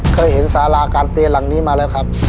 เคยเห็นสาราการเปลี่ยนหลังนี้มาแล้วครับ